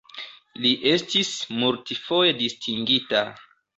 Li estis multfoje distingita.